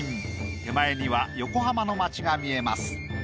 手前には横浜の街が見えます。